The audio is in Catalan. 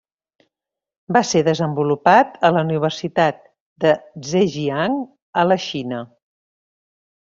Va ser desenvolupat a la universitat de Zhejiang a la Xina.